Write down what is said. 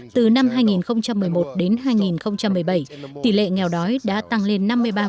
từ năm hai nghìn một mươi một đến hai nghìn một mươi bảy tỷ lệ nghèo đói đã tăng lên năm mươi ba